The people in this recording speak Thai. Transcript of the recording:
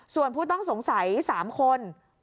ส่วนผู้ต้องสงสัย๓คน